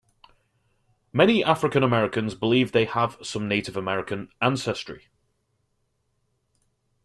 Many African Americans believe they have some Native American ancestry.